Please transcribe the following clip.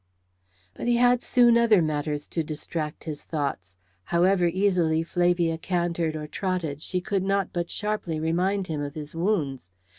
But he had soon other matters to distract his thoughts. However easily Flavia cantered or trotted she could not but sharply remind him of his wounds.